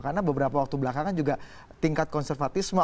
karena beberapa waktu belakangan juga tingkat konservatisme